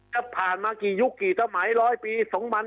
จะผ่านมากี่ยุคกี่สมัย๑๐๐ปี๒๕๕๙